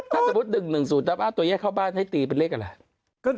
ถ้าสมมติ๑๐๑อ้าวตั๋วยังไม่เข้าบ้านให้ตีเป็นเลขอะไร